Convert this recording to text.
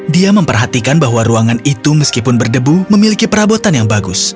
dia memperhatikan bahwa ruangan itu meskipun berdebu memiliki perabotan yang bagus